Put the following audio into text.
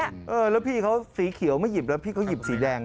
ผู้ชายเขาสีเขียวไม่หยิบหรือผู้ผู้ชายหยิบสีแดง